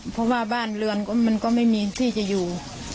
เพราะว่าบ้านเรือนมันก็ไม่มีที่จะอยู่